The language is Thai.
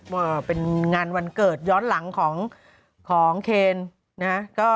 ว่าเป็นงานวันเกิดย้อนหลังของเคนนะฮะ